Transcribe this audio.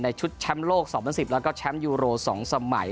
ชุดแชมป์โลก๒๐๑๐แล้วก็แชมป์ยูโร๒สมัย